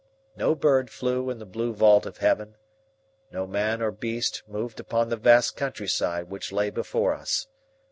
No bird flew in the blue vault of heaven, no man or beast moved upon the vast countryside which lay before us.